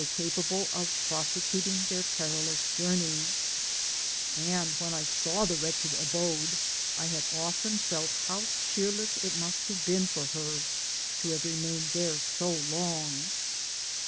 145 capable of prosecuting their perilous journey ; and when I saw the wreitched abode, I had often felt how cheerless it must have been for her to have remained there so long.